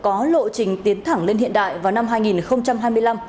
có lộ trình tiến thẳng lên hiện đại vào năm hai nghìn hai mươi năm